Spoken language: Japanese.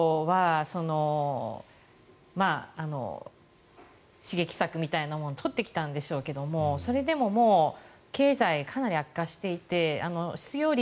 ある程度は刺激策みたいなものを取ってきたんでしょうがそれでももう経済かなり悪化していて失業率